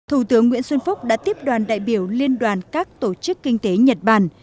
thủ tướng nguyễn xuân phúc đã tiếp đoàn đại biểu liên đoàn các tổ chức kinh tế nhật bản